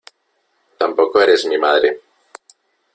tampoco eres mi madre .